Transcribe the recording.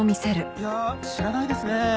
いや知らないですね。